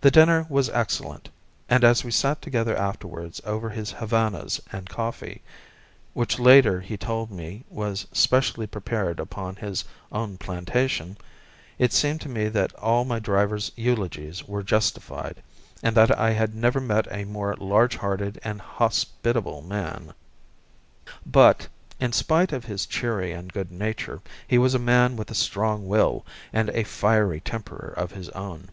The dinner was excellent, and as we sat together afterwards over his Havanas and coffee, which later he told me was specially prepared upon his own plantation, it seemed to me that all my driver's eulogies were justified, and that I had never met a more large hearted and hospitable man. But, in spite of his cheery good nature, he was a man with a strong will and a fiery temper of his own.